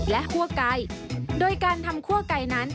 และคั่วไก่โดยการทำคั่วไก่นั้น